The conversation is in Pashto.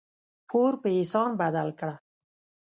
پور په احسان بدل کړه.